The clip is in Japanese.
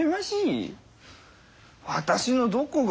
私のどこが？